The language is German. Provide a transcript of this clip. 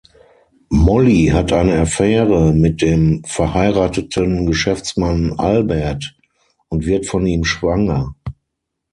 Mollie hat eine Affäre mit dem verheirateten Geschäftsmann Albert und wird von ihm schwanger.